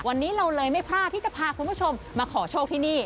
วันนี้เราเลยไม่พลาดที่จะพาคุณผู้ชมมาขอโชคที่นี่